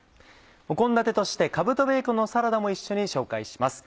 お献立として「かぶとベーコンのサラダ」も一緒に紹介します。